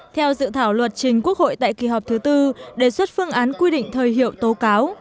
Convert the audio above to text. theo dự thảo luật trình quốc hội tại kỳ họp thứ tư đề xuất phương án quy định thời hiệu tố cáo